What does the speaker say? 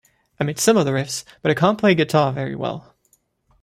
I made some of the riffs, but I can't play the guitar very well.